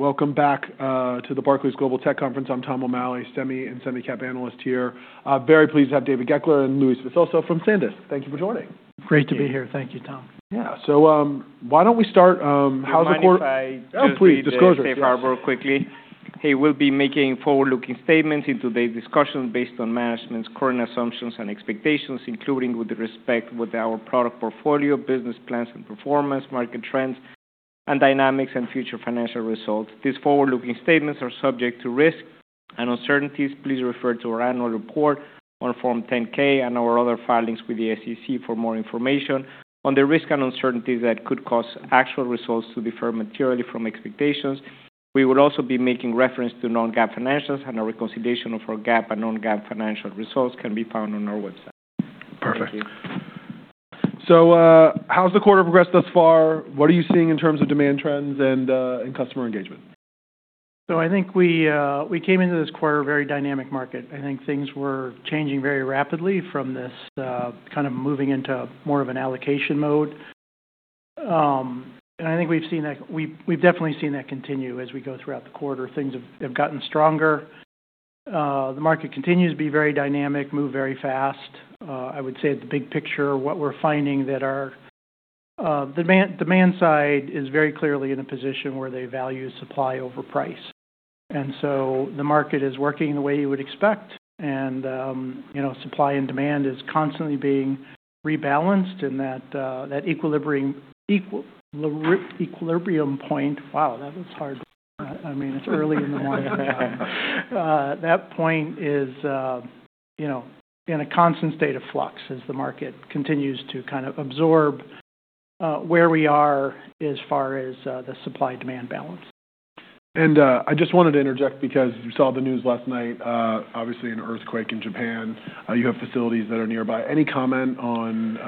All right, welcome back to the Barclays Global Tech Conference. I'm Tom O'Malley, Semi and Semi-cap analyst here. Very pleased to have David Goeckler and Luis Visoso from Sandisk. Thank you for joining. Great to be here. Thank you, Tom. Yeah. So why don't we start? How's the crowd? I'm sorry. Oh, please, disclosure. I'll say it very quickly. He will be making forward-looking statements in today's discussion based on management's current assumptions and expectations, including with respect to our product portfolio, business plans and performance, market trends, and dynamics and future financial results. These forward-looking statements are subject to risk and uncertainties. Please refer to our annual report on Form 10-K and our other filings with the SEC for more information on the risk and uncertainties that could cause actual results to differ materially from expectations. We will also be making reference to non-GAAP financials, and a reconciliation of our GAAP and non-GAAP financial results can be found on our website. Perfect. So how's the quarter progressed thus far? What are you seeing in terms of demand trends and customer engagement? So, I think we came into this quarter a very dynamic market. I think things were changing very rapidly from this kind of moving into more of an allocation mode. And I think we've definitely seen that continue as we go throughout the quarter. Things have gotten stronger. The market continues to be very dynamic, move very fast. I would say the big picture, what we're finding that our demand side is very clearly in a position where they value supply over price. And so the market is working the way you would expect, and supply and demand is constantly being rebalanced in that equilibrium point. Wow, that was hard. I mean, it's early in the morning. That point is in a constant state of flux as the market continues to kind of absorb where we are as far as the supply-demand balance. And I just wanted to interject because you saw the news last night, obviously an earthquake in Japan. You have facilities that are nearby. Any comment on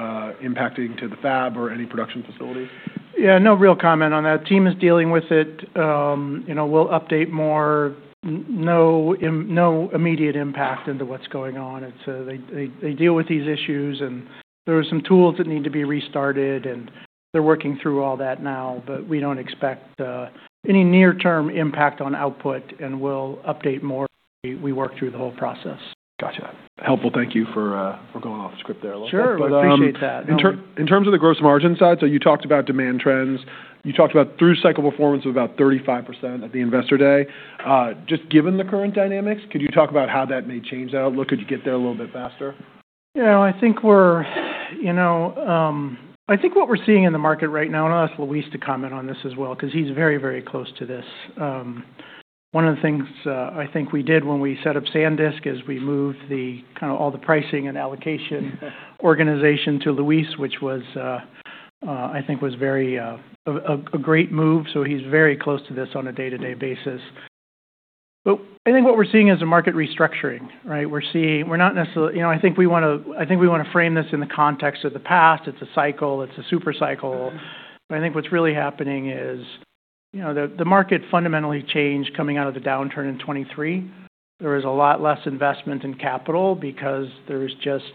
impacting to the fab or any production facilities? Yeah, no real comment on that. Team is dealing with it. We'll update more. No immediate impact into what's going on. They deal with these issues, and there are some tools that need to be restarted, and they're working through all that now, but we don't expect any near-term impact on output, and we'll update more as we work through the whole process. Gotcha. Helpful. Thank you for going off script there. Sure. I appreciate that. In terms of the gross margin side, so you talked about demand trends. You talked about through cycle performance of about 35% at the Investor Day. Just given the current dynamics, could you talk about how that may change that outlook? Could you get there a little bit faster? Yeah, I think what we're seeing in the market right now, and I'll ask Luis to comment on this as well because he's very, very close to this. One of the things I think we did when we set up Sandisk is we moved kind of all the pricing and allocation organization to Luis, which I think was a great move. So he's very close to this on a day-to-day basis. But I think what we're seeing is a market restructuring, right? We're not necessarily. I think we want to frame this in the context of the past. It's a cycle. It's a supercycle. But I think what's really happening is the market fundamentally changed coming out of the downturn in 2023. There was a lot less investment in capital because there was just,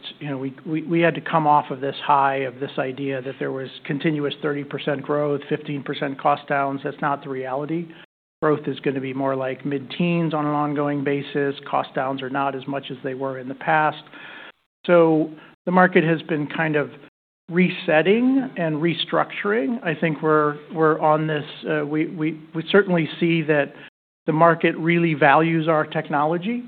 we had to come off of this high of this idea that there was continuous 30% growth, 15% cost downs. That's not the reality. Growth is going to be more like mid-teens on an ongoing basis. Cost downs are not as much as they were in the past. So the market has been kind of resetting and restructuring. I think we're on this. We certainly see that the market really values our technology.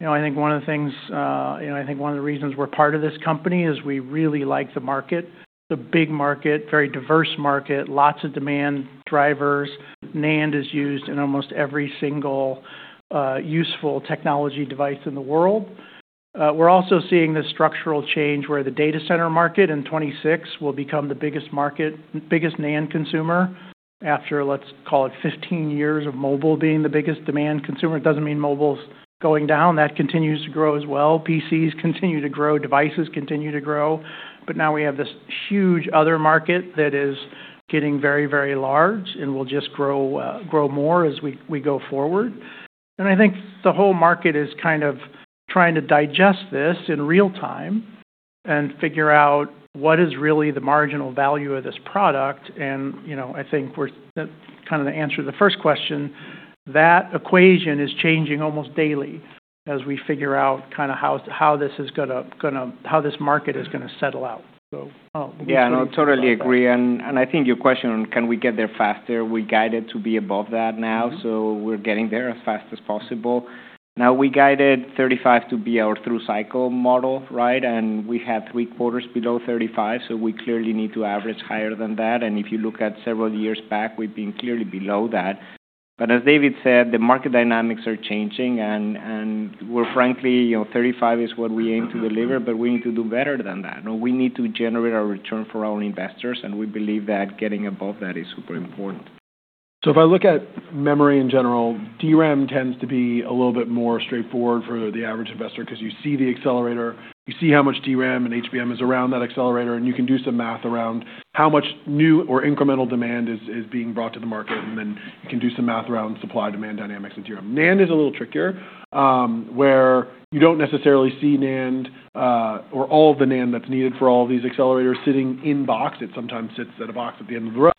I think one of the things I think one of the reasons we're part of this company is we really like the market, the big market, very diverse market, lots of demand drivers. NAND is used in almost every single useful technology device in the world. We're also seeing this structural change where the data center market in 2026 will become the biggest market, biggest NAND consumer after, let's call it, 15 years of mobile being the biggest demand consumer. It doesn't mean mobile's going down. That continues to grow as well. PCs continue to grow. Devices continue to grow. But now we have this huge other market that is getting very, very large and will just grow more as we go forward. And I think the whole market is kind of trying to digest this in real time and figure out what is really the marginal value of this product. And I think kind of the answer to the first question, that equation is changing almost daily as we figure out kind of how this market is going to settle out. Yeah, no, totally agree. And I think your question on can we get there faster. We guided to be above that now. So we're getting there as fast as possible. Now we guided 35 to be our through cycle model, right? And we have three quarters below 35, so we clearly need to average higher than that. And if you look at several years back, we've been clearly below that. But as David said, the market dynamics are changing, and we're frankly, 35 is what we aim to deliver, but we need to do better than that. We need to generate our return for our investors, and we believe that getting above that is super important. So if I look at memory in general, DRAM tends to be a little bit more straightforward for the average investor because you see the accelerator, you see how much DRAM and HBM is around that accelerator, and you can do some math around how much new or incremental demand is being brought to the market, and then you can do some math around supply-demand dynamics in DRAM. NAND is a little trickier where you don't necessarily see NAND or all of the NAND that's needed for all of these accelerators sitting in box. It sometimes sits at a box at the end of the row.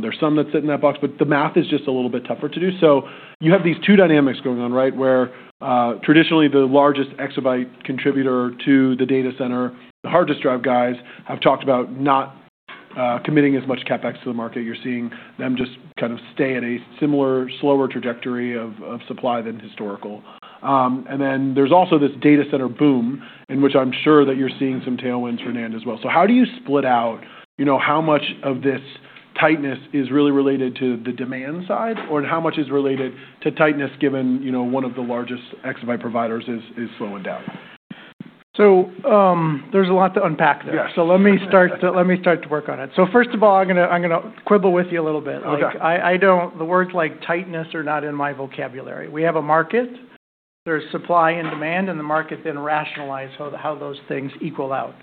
There's some that sit in that box, but the math is just a little bit tougher to do. So you have these two dynamics going on, right, where traditionally the largest exabyte contributor to the data center, the hard disk drive guys, have talked about not committing as much CapEx to the market. You're seeing them just kind of stay at a similar, slower trajectory of supply than historical. And then there's also this data center boom in which I'm sure that you're seeing some tailwinds for NAND as well. So how do you split out how much of this tightness is really related to the demand side or how much is related to tightness given one of the largest exabyte providers is slowing down? There's a lot to unpack there. Let me start to work on it. First of all, I'm going to quibble with you a little bit. The words like tightness are not in my vocabulary. We have a market, there's supply and demand, and the market then rationalizes how those things equal out.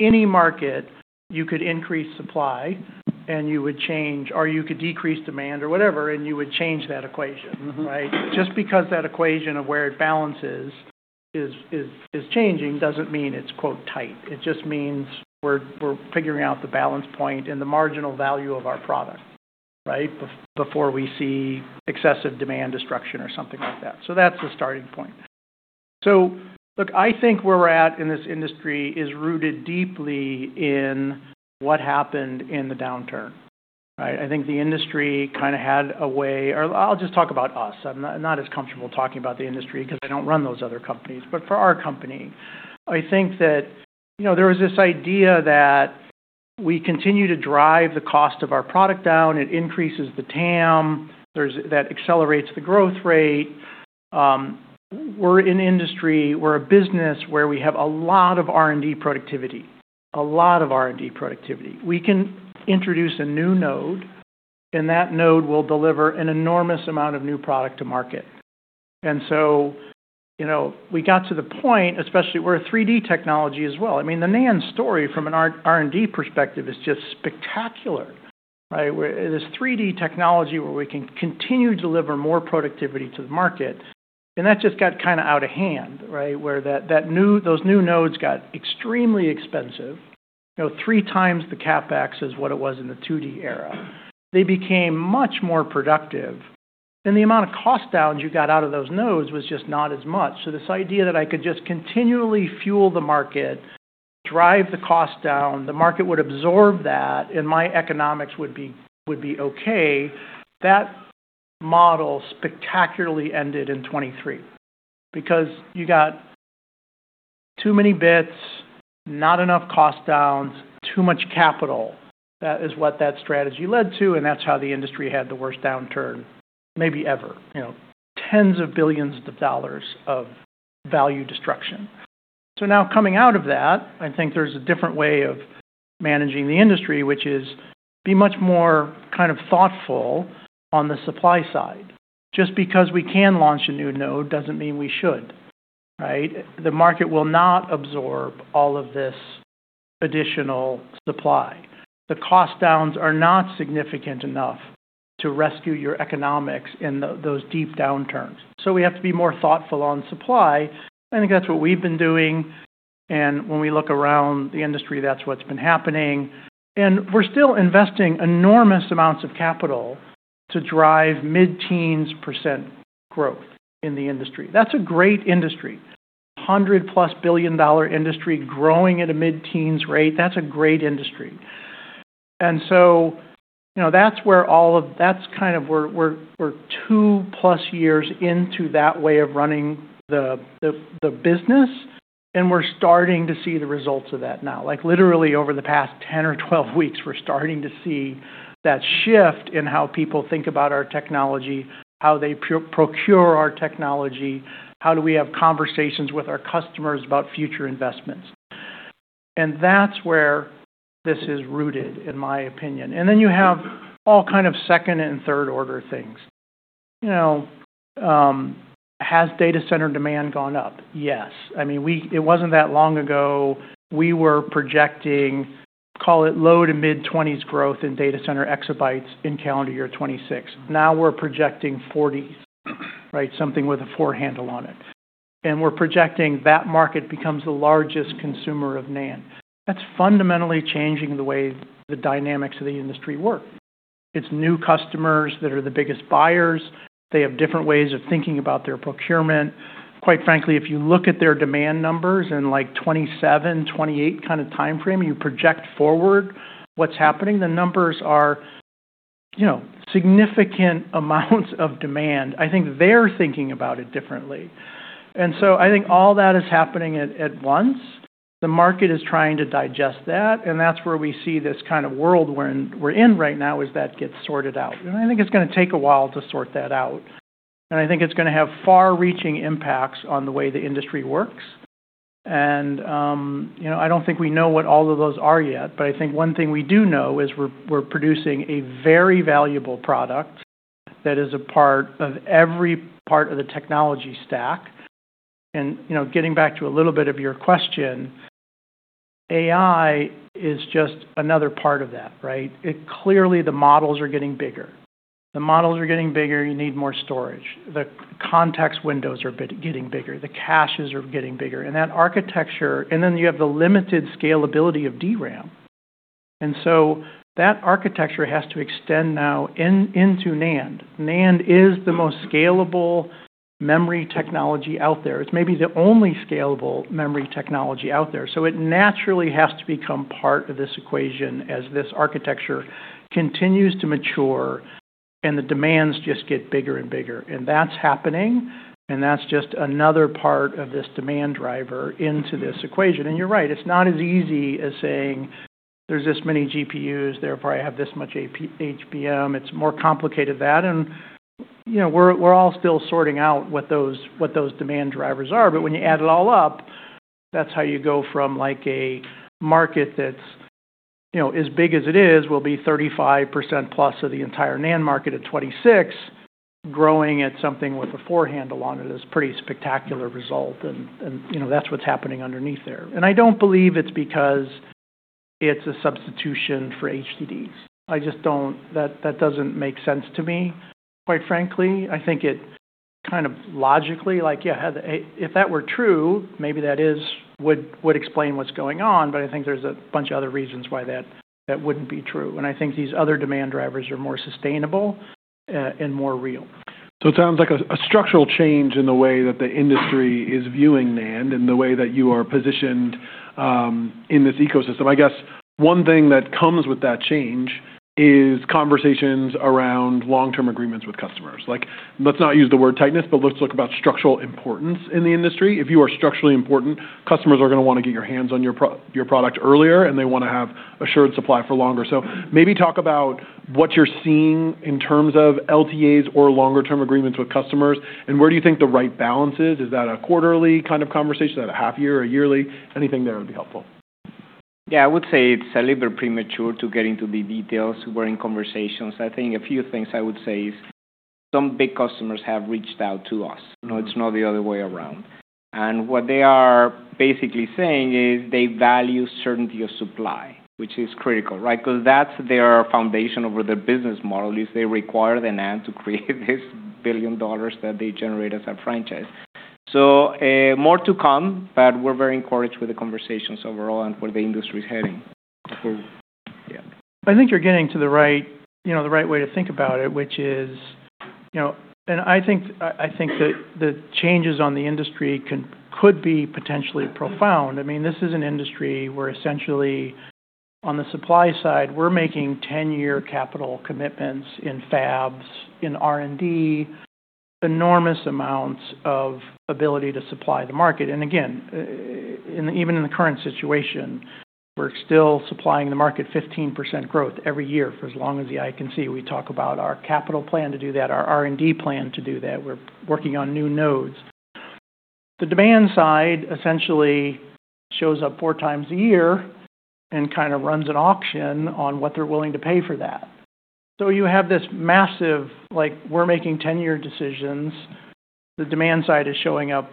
Any market, you could increase supply and you would change, or you could decrease demand or whatever, and you would change that equation, right? Just because that equation of where it balances is changing doesn't mean it's "tight." It just means we're figuring out the balance point and the marginal value of our product, right, before we see excessive demand destruction or something like that. That's the starting point. Look, I think where we're at in this industry is rooted deeply in what happened in the downturn, right? I think the industry kind of had a way, or I'll just talk about us. I'm not as comfortable talking about the industry because I don't run those other companies, but for our company, I think that there was this idea that we continue to drive the cost of our product down. It increases the TAM. That accelerates the growth rate. We're in industry. We're a business where we have a lot of R&D productivity, a lot of R&D productivity. We can introduce a new node, and that node will deliver an enormous amount of new product to market, and so we got to the point, especially where 3D technology as well. I mean, the NAND story from an R&D perspective is just spectacular, right? This 3D technology, where we can continue to deliver more productivity to the market, and that just got kind of out of hand, right, where those new nodes got extremely expensive, three times the CapEx is what it was in the 2D era. They became much more productive, and the amount of cost downs you got out of those nodes was just not as much. So this idea that I could just continually fuel the market, drive the cost down, the market would absorb that, and my economics would be okay. That model spectacularly ended in 2023 because you got too many bits, not enough cost downs, too much capital. That is what that strategy led to, and that's how the industry had the worst downturn maybe ever, tens of billions of dollars of value destruction. So now coming out of that, I think there's a different way of managing the industry, which is be much more kind of thoughtful on the supply side. Just because we can launch a new node doesn't mean we should, right? The market will not absorb all of this additional supply. The cost downs are not significant enough to rescue your economics in those deep downturns. So we have to be more thoughtful on supply. I think that's what we've been doing. And when we look around the industry, that's what's been happening. And we're still investing enormous amounts of capital to drive mid-teens % growth in the industry. That's a great industry. $100+ billion industry growing at a mid-teens rate. That's a great industry. And so that's where all of that's kind of we're 2+ years into that way of running the business, and we're starting to see the results of that now. Literally, over the past 10 or 12 weeks, we're starting to see that shift in how people think about our technology, how they procure our technology, how do we have conversations with our customers about future investments. And that's where this is rooted, in my opinion. And then you have all kind of second and third-order things. Has data center demand gone up? Yes. I mean, it wasn't that long ago. We were projecting, call it low to mid-20s growth in data center exabytes in calendar year 2026. Now we're projecting 40s, right, something with a four handle on it. And we're projecting that market becomes the largest consumer of NAND. That's fundamentally changing the way the dynamics of the industry work. It's new customers that are the biggest buyers. They have different ways of thinking about their procurement. Quite frankly, if you look at their demand numbers in like 2027, 2028 kind of timeframe, you project forward what's happening, the numbers are significant amounts of demand. I think they're thinking about it differently. And so I think all that is happening at once. The market is trying to digest that, and that's where we see this kind of world we're in right now is that gets sorted out. And I think it's going to take a while to sort that out. And I think it's going to have far-reaching impacts on the way the industry works. And I don't think we know what all of those are yet, but I think one thing we do know is we're producing a very valuable product that is a part of every part of the technology stack. And getting back to a little bit of your question, AI is just another part of that, right? Clearly, the models are getting bigger. The models are getting bigger. You need more storage. The context windows are getting bigger. The caches are getting bigger. And that architecture, and then you have the limited scalability of DRAM. And so that architecture has to extend now into NAND. NAND is the most scalable memory technology out there. It's maybe the only scalable memory technology out there. So it naturally has to become part of this equation as this architecture continues to mature and the demands just get bigger and bigger. And that's happening, and that's just another part of this demand driver into this equation. And you're right. It's not as easy as saying there's this many GPUs, therefore I have this much HBM. It's more complicated than that. And we're all still sorting out what those demand drivers are. But when you add it all up, that's how you go from like a market that's as big as it is will be 35% plus of the entire NAND market at 2026, growing at something with a four handle on it is a pretty spectacular result. And that's what's happening underneath there. And I don't believe it's because it's a substitution for HDDs. I just don't. That doesn't make sense to me, quite frankly. I think it kind of logically, like, yeah, if that were true, maybe that would explain what's going on, but I think there's a bunch of other reasons why that wouldn't be true, and I think these other demand drivers are more sustainable and more real. So it sounds like a structural change in the way that the industry is viewing NAND and the way that you are positioned in this ecosystem. I guess one thing that comes with that change is conversations around long-term agreements with customers. Let's not use the word tightness, but let's talk about structural importance in the industry. If you are structurally important, customers are going to want to get their hands on your product earlier, and they want to have assured supply for longer. So maybe talk about what you're seeing in terms of LTAs or longer-term agreements with customers, and where do you think the right balance is? Is that a quarterly kind of conversation? Is that a half-year or a yearly? Anything there would be helpful. Yeah, I would say it's a little bit premature to get into the details. We're in conversations. I think a few things I would say is some big customers have reached out to us. It's not the other way around, and what they are basically saying is they value certainty of supply, which is critical, right? Because that's their foundation over their business model is they require the NAND to create this billion dollars that they generate as a franchise, so more to come, but we're very encouraged with the conversations overall and where the industry is heading. I think you're getting to the right way to think about it, which is, and I think that the changes on the industry could be potentially profound. I mean, this is an industry where essentially on the supply side, we're making 10-year capital commitments in fabs, in R&D, enormous amounts of ability to supply the market. And again, even in the current situation, we're still supplying the market 15% growth every year for as long as the eye can see. We talk about our capital plan to do that, our R&D plan to do that. We're working on new nodes. The demand side essentially shows up four times a year and kind of runs an auction on what they're willing to pay for that. So you have this massive, like we're making 10-year decisions. The demand side is showing up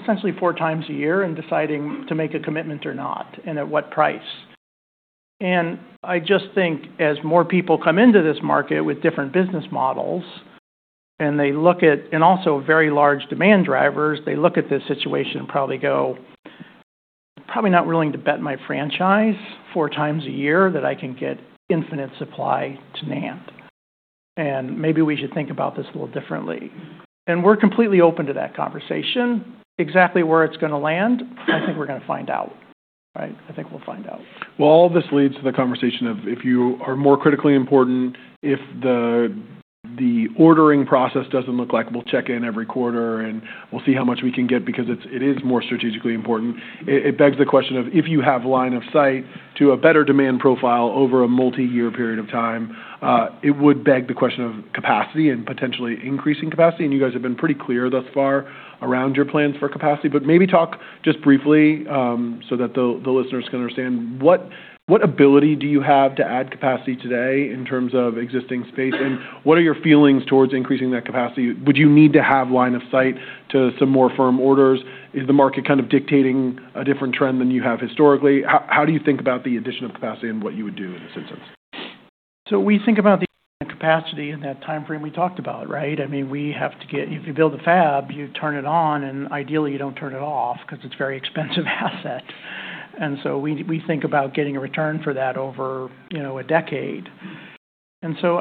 essentially four times a year and deciding to make a commitment or not and at what price. And I just think as more people come into this market with different business models and they look at, and also very large demand drivers, they look at this situation and probably go, "I'm probably not willing to bet my franchise four times a year that I can get infinite supply to NAND. And maybe we should think about this a little differently." And we're completely open to that conversation. Exactly where it's going to land, I think we're going to find out, right? I think we'll find out. All this leads to the conversation of if you are more critically important, if the ordering process doesn't look like we'll check in every quarter and we'll see how much we can get because it is more strategically important. It begs the question of if you have line of sight to a better demand profile over a multi-year period of time. It would beg the question of capacity and potentially increasing capacity. You guys have been pretty clear thus far around your plans for capacity, but maybe talk just briefly so that the listeners can understand what ability do you have to add capacity today in terms of existing space, and what are your feelings towards increasing that capacity? Would you need to have line of sight to some more firm orders? Is the market kind of dictating a different trend than you have historically? How do you think about the addition of capacity and what you would do in this instance? So we think about the capacity in that timeframe we talked about, right? I mean, we have to get, if you build a fab, you turn it on, and ideally you don't turn it off because it's a very expensive asset. And so we think about getting a return for that over a decade. And so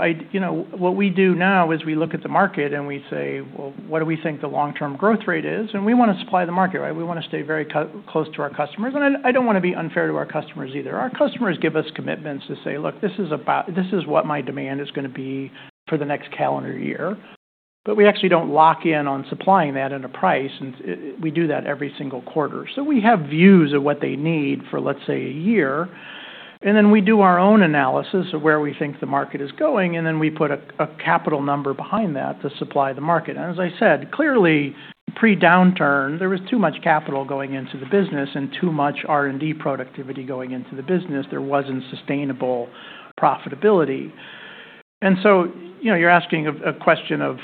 what we do now is we look at the market and we say, "Well, what do we think the long-term growth rate is?" And we want to supply the market, right? We want to stay very close to our customers. And I don't want to be unfair to our customers either. Our customers give us commitments to say, "Look, this is what my demand is going to be for the next calendar year." But we actually don't lock in on supplying that at a price. We do that every single quarter. So we have views of what they need for, let's say, a year. And then we do our own analysis of where we think the market is going, and then we put a capital number behind that to supply the market. And as I said, clearly, pre-downturn, there was too much capital going into the business and too much R&D productivity going into the business. There wasn't sustainable profitability. And so you're asking a question of,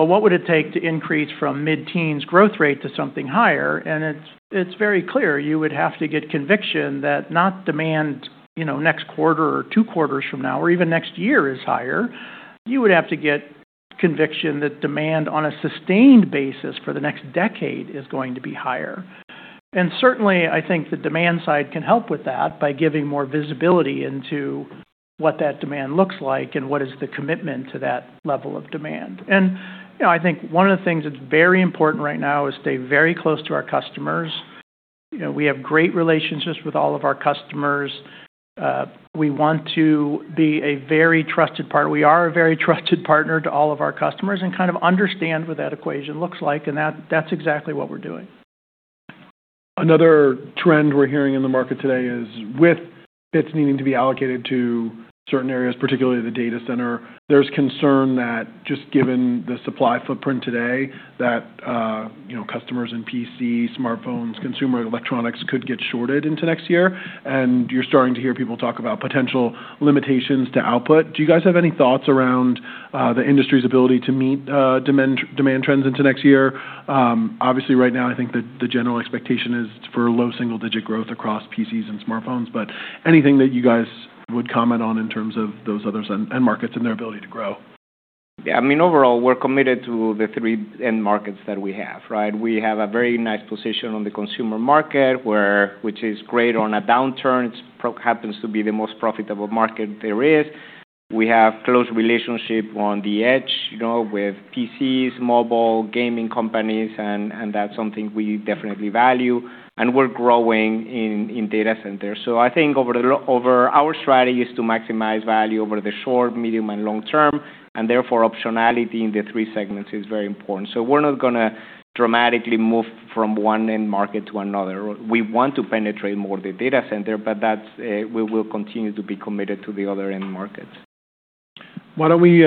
"Well, what would it take to increase from mid-teens growth rate to something higher?" And it's very clear you would have to get conviction that not demand next quarter or two quarters from now or even next year is higher. You would have to get conviction that demand on a sustained basis for the next decade is going to be higher. And certainly, I think the demand side can help with that by giving more visibility into what that demand looks like and what is the commitment to that level of demand. And I think one of the things that's very important right now is stay very close to our customers. We have great relationships with all of our customers. We want to be a very trusted partner. We are a very trusted partner to all of our customers and kind of understand what that equation looks like. And that's exactly what we're doing. Another trend we're hearing in the market today is with bits needing to be allocated to certain areas, particularly the data center. There's concern that just given the supply footprint today that customers in PC, smartphones, consumer electronics could get shorted into next year. And you're starting to hear people talk about potential limitations to output. Do you guys have any thoughts around the industry's ability to meet demand trends into next year? Obviously, right now, I think the general expectation is for low single-digit growth across PCs and smartphones, but anything that you guys would comment on in terms of those other end markets and their ability to grow? Yeah. I mean, overall, we're committed to the three end markets that we have, right? We have a very nice position on the consumer market, which is great on a downturn. It happens to be the most profitable market there is. We have close relationships on the edge with PCs, mobile gaming companies, and that's something we definitely value, and we're growing in data centers. So I think overall our strategy is to maximize value over the short, medium, and long term, and therefore optionality in the three segments is very important. So we're not going to dramatically move from one end market to another. We want to penetrate more the data center, but we will continue to be committed to the other end markets. Why don't we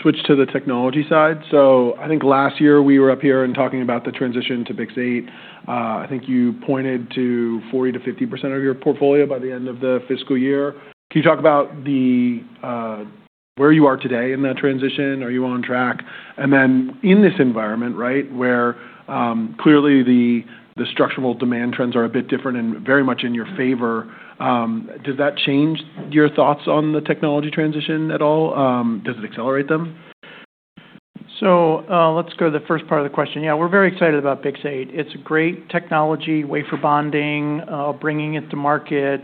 switch to the technology side? So I think last year we were up here and talking about the transition to BiCS8. I think you pointed to 40%-50% of your portfolio by the end of the fiscal year. Can you talk about where you are today in that transition? Are you on track? And then in this environment, right, where clearly the structural demand trends are a bit different and very much in your favor, does that change your thoughts on the technology transition at all? Does it accelerate them? So let's go to the first part of the question. Yeah, we're very excited about BiCS8. It's a great technology, wafer bonding, bringing it to market.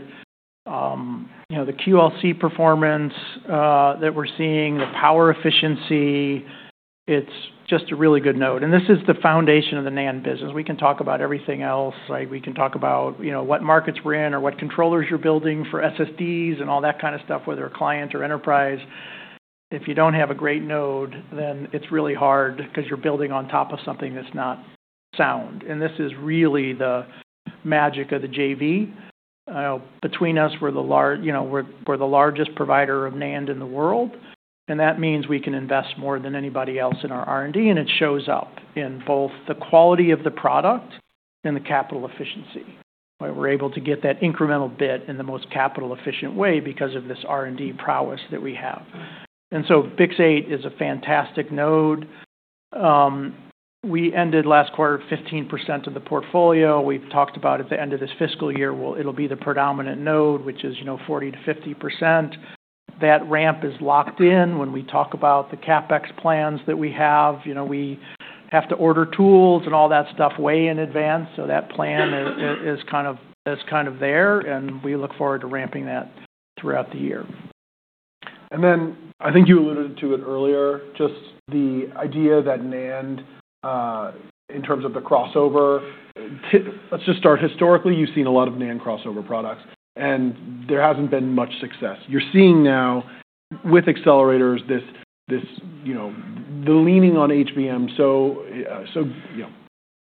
The QLC performance that we're seeing, the power efficiency, it's just a really good node. And this is the foundation of the NAND business. We can talk about everything else, right? We can talk about what markets we're in or what controllers you're building for SSDs and all that kind of stuff, whether client or enterprise. If you don't have a great node, then it's really hard because you're building on top of something that's not sound. And this is really the magic of the JV. Between us, we're the largest provider of NAND in the world. And that means we can invest more than anybody else in our R&D. And it shows up in both the quality of the product and the capital efficiency. We're able to get that incremental bit in the most capital-efficient way because of this R&D prowess that we have. And so BiCS8 is a fantastic node. We ended last quarter 15% of the portfolio. We've talked about at the end of this fiscal year, it'll be the predominant node, which is 40%-50%. That ramp is locked in when we talk about the CapEx plans that we have. We have to order tools and all that stuff way in advance. So that plan is kind of there, and we look forward to ramping that throughout the year. And then I think you alluded to it earlier, just the idea that NAND, in terms of the crossover, let's just start historically, you've seen a lot of NAND crossover products, and there hasn't been much success. You're seeing now with accelerators the leaning on HBM. So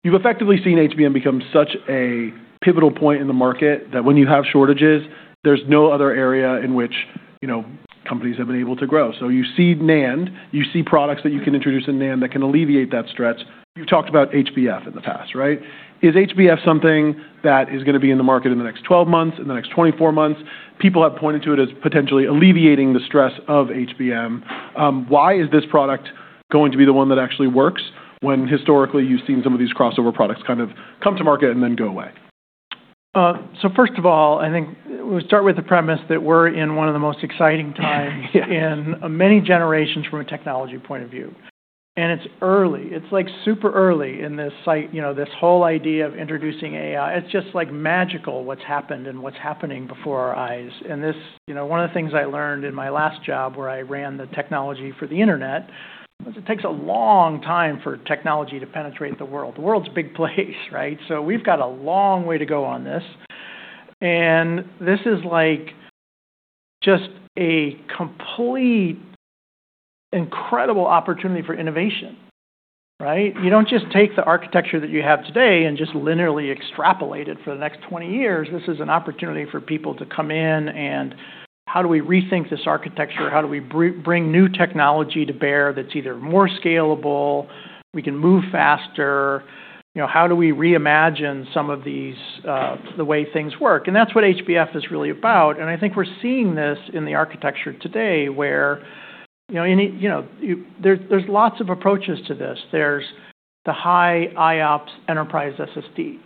you've effectively seen HBM become such a pivotal point in the market that when you have shortages, there's no other area in which companies have been able to grow. So you see NAND, you see products that you can introduce in NAND that can alleviate that stress. You've talked about HBF in the past, right? Is HBF something that is going to be in the market in the next 12 months, in the next 24 months? People have pointed to it as potentially alleviating the stress of HBM. Why is this product going to be the one that actually works when historically you've seen some of these crossover products kind of come to market and then go away? So first of all, I think we'll start with the premise that we're in one of the most exciting times in many generations from a technology point of view. And it's early. It's like super early in this whole idea of introducing AI. It's just like magical what's happened and what's happening before our eyes. And one of the things I learned in my last job where I ran the technology for the internet was it takes a long time for technology to penetrate the world. The world's a big place, right? So we've got a long way to go on this. And this is like just a complete incredible opportunity for innovation, right? You don't just take the architecture that you have today and just linearly extrapolate it for the next 20 years. This is an opportunity for people to come in and how do we rethink this architecture? How do we bring new technology to bear that's either more scalable? We can move faster. How do we reimagine some of the way things work? And that's what HBF is really about. And I think we're seeing this in the architecture today where there's lots of approaches to this. There's the high IOPS enterprise SSD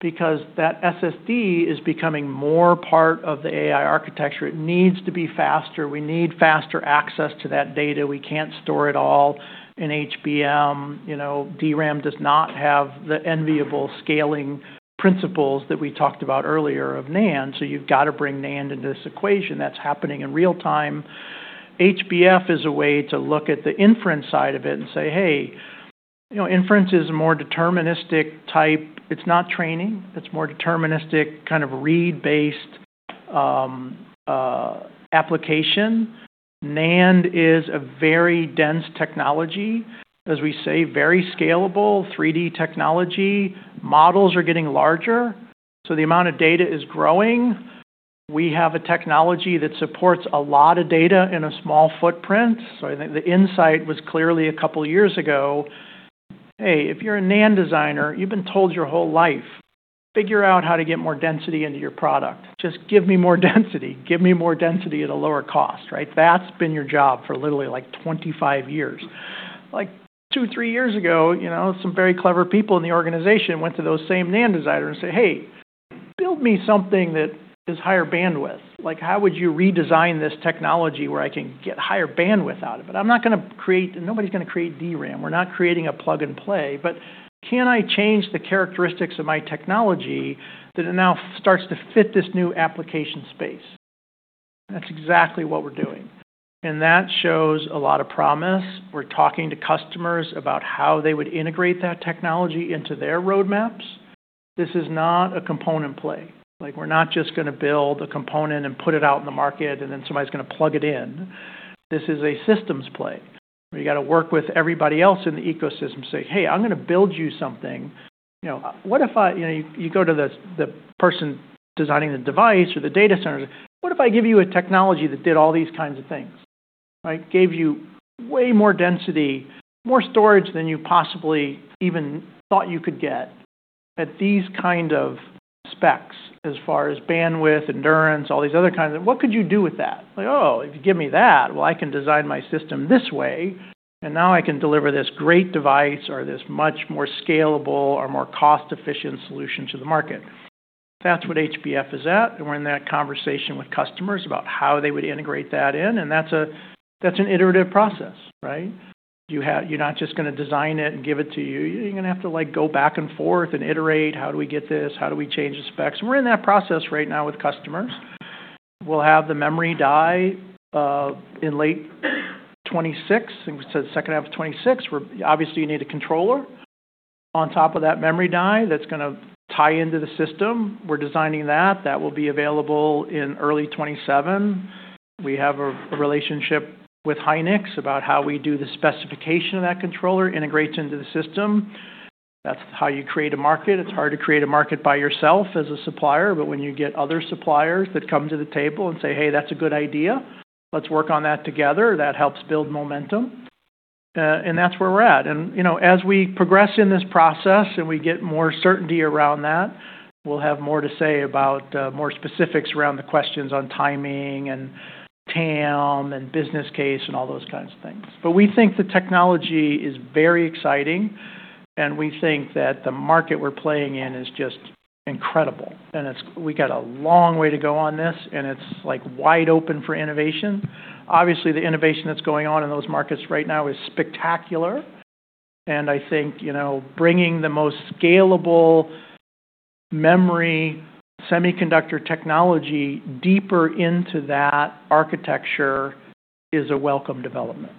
because that SSD is becoming more part of the AI architecture. It needs to be faster. We need faster access to that data. We can't store it all in HBM. DRAM does not have the enviable scaling principles that we talked about earlier of NAND. So you've got to bring NAND into this equation. That's happening in real time. HBF is a way to look at the inference side of it and say, "Hey, inference is a more deterministic type. It's not training. It's more deterministic kind of read-based application." NAND is a very dense technology, as we say, very scalable 3D technology. Models are getting larger, so the amount of data is growing. We have a technology that supports a lot of data in a small footprint, so I think the insight was clearly a couple of years ago, "Hey, if you're a NAND designer, you've been told your whole life, figure out how to get more density into your product. Just give me more density. Give me more density at a lower cost," right? That's been your job for literally like 25 years. Like two, three years ago, some very clever people in the organization went to those same NAND designers and said, "Hey, build me something that is higher bandwidth. “How would you redesign this technology where I can get higher bandwidth out of it?” I'm not going to create and nobody's going to create DRAM. We're not creating a plug and play. But can I change the characteristics of my technology that now starts to fit this new application space? That's exactly what we're doing. And that shows a lot of promise. We're talking to customers about how they would integrate that technology into their roadmaps. This is not a component play. We're not just going to build a component and put it out in the market, and then somebody's going to plug it in. This is a systems play. You got to work with everybody else in the ecosystem and say, “Hey, I'm going to build you something. What if I—” you go to the person designing the device or the data centers. What if I give you a technology that did all these kinds of things, right? Gave you way more density, more storage than you possibly even thought you could get at these kind of specs as far as bandwidth, endurance, all these other kinds of - what could you do with that?" "Oh, if you give me that, well, I can design my system this way, and now I can deliver this great device or this much more scalable or more cost-efficient solution to the market." That's what HBF is at. And we're in that conversation with customers about how they would integrate that in. And that's an iterative process, right? You're not just going to design it and give it to you. You're going to have to go back and forth and iterate. How do we get this? How do we change the specs? We're in that process right now with customers. We'll have the memory die in late 2026, in the second half of 2026. Obviously, you need a controller on top of that memory die that's going to tie into the system. We're designing that. That will be available in early 2027. We have a relationship with Hynix about how we do the specification of that controller integrates into the system. That's how you create a market. It's hard to create a market by yourself as a supplier, but when you get other suppliers that come to the table and say, "Hey, that's a good idea. Let's work on that together." That helps build momentum, and that's where we're at. And as we progress in this process and we get more certainty around that, we'll have more to say about more specifics around the questions on timing and TAM and business case and all those kinds of things. But we think the technology is very exciting, and we think that the market we're playing in is just incredible. And we got a long way to go on this, and it's wide open for innovation. Obviously, the innovation that's going on in those markets right now is spectacular. And I think bringing the most scalable memory semiconductor technology deeper into that architecture is a welcome development.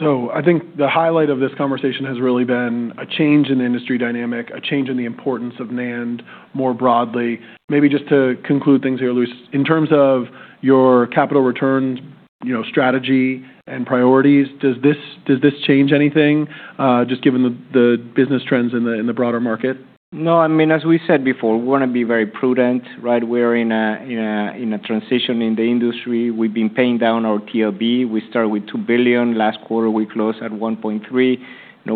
So I think the highlight of this conversation has really been a change in the industry dynamic, a change in the importance of NAND more broadly. Maybe just to conclude things here, Luis, in terms of your capital return strategy and priorities, does this change anything just given the business trends in the broader market? No, I mean, as we said before, we want to be very prudent, right? We're in a transition in the industry. We've been paying down our TLB. We started with $2 billion. Last quarter, we closed at $1.3 billion.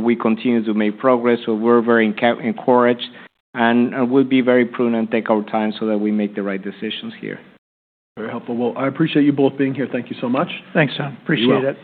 We continue to make progress. So we're very encouraged. And we'll be very prudent and take our time so that we make the right decisions here. Very helpful. Well, I appreciate you both being here. Thank you so much. Thanks, Tom. Appreciate it.